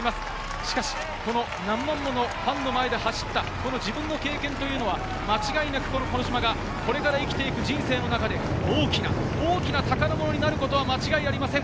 しかし、何万ものファンの前で走った経験が間違いなく小島がこれから生きていく人生の中で大きな大きな宝物になることは間違いありません。